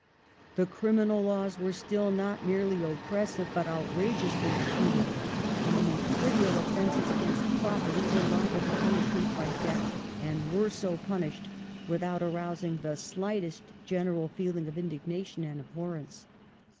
The criminal laws were still not merely oppressive but outrageously cruel, and the most trivial oflFences against property were liable to punishment by death, and were so punished, without arousing the slightest general feeling of indignation and abhorrence.